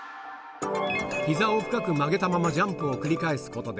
ひざを深く曲げたままジャンプを繰り返すことで、